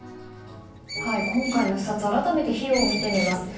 今回の視察改めて費用を見てみます。